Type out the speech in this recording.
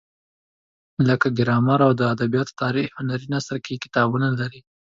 لکه ګرامر او د ادبیاتو تاریخ هنري نثر کې کتابونه لري.